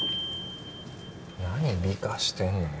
何美化してんのよ